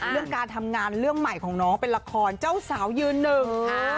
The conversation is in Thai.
เรื่องการทำงานเรื่องใหม่ของน้องเป็นละครเจ้าสาวยืนหนึ่ง